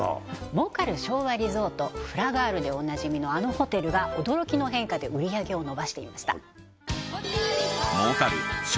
儲かる昭和リゾートフラガールでおなじみのあのホテルが驚きの変化で売り上げを伸ばしていました